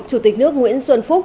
chủ tịch nước nguyễn xuân phúc